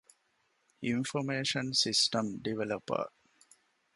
އިންފޮމޭޝަން ސިސްޓަމް ޑިވެލޮޕަރ